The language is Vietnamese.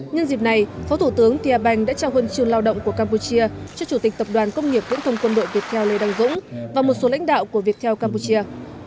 nhân dịp này phó thủ tướng tia bang đã trao hôn trường lao động của campuchia cho chủ tịch tập đoàn công nghiệp viễn thông quân đội viettel lê đăng dũng và một số lãnh đạo của viettel campuchia